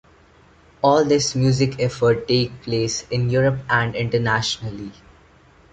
All this music effort take place in Europe and internationally.